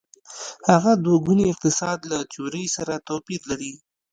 هغه دوه ګونی اقتصاد له تیورۍ سره توپیر لري.